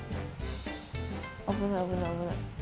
危ない危ない。